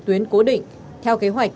tuyến cố định theo kế hoạch